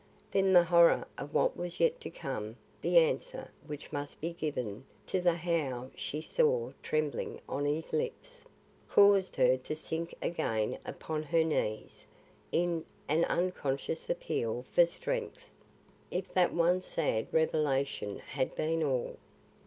Then the horror of what was yet to come the answer which must be given to the how she saw trembling on his lips, caused her to sink again upon her knees in an unconscious appeal for strength. If that one sad revelation had been all!